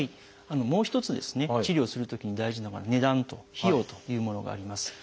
もう一つですね治療するときに大事なのが値段と費用というものがあります。